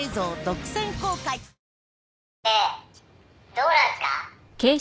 「どうなんすか？」